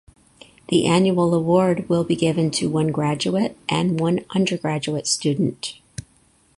The annual award will be given to one graduate and one undergraduate student.